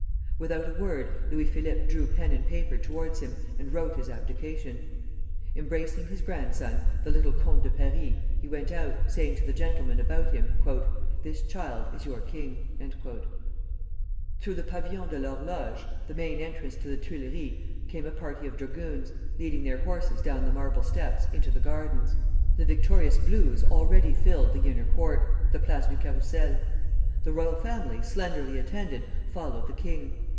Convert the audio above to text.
Without a word, Louis Philippe drew pen and paper towards him and wrote his abdication. Embracing his grandson, the little Comte de Paris, he went out, saying to the gentlemen about him: "This child is your king." Through the Pavillon de l'Horloge, the main entrance to the Tuileries, came a party of dragoons, leading their horses down the marble steps into the gardens. The victorious blouses already filled the inner court, the Place du Carrousel. The royal family, slenderly attended, followed the king.